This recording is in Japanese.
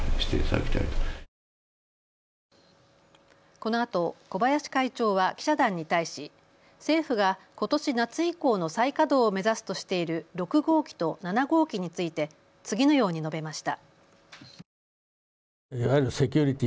このあと小林会長は記者団に対し政府がことし夏以降の再稼働を目指すとしている６号機と７号機について次のように述べました。